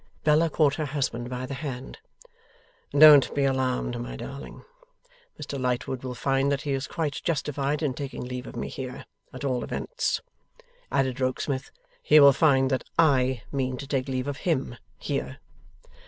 Bella caught her husband by the hand. 'Don't be alarmed, my darling. Mr Lightwood will find that he is quite justified in taking leave of me here. At all events,' added Rokesmith, 'he will find that I mean to take leave of him here.